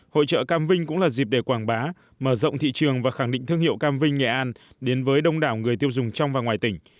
hội trợ cam vinh cũng là dịp để quảng bá mở rộng thị trường và khẳng định thương hiệu cam vinh nghệ an đến với đông đảo người tiêu dùng trong và ngoài tỉnh